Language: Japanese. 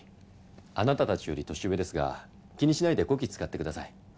あなたたちより年上ですが気にしないでこき使ってください。